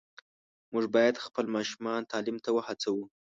موږ باید خپل ماشومان تعلیم ته وهڅوو.